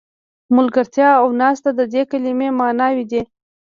ملګرتیا او ناسته د دې کلمې معناوې دي.